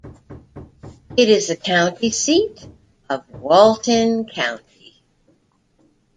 It is the county seat of Walton County.